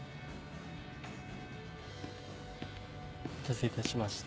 お待たせいたしました。